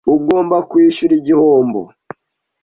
Ugomba kwishyura igihombo.